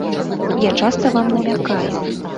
Я часта вам намякаю.